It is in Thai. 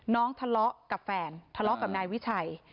ทะเลาะกับแฟนทะเลาะกับนายวิชัย